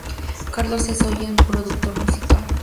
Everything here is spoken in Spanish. Carlos es hoy en día es productor musical.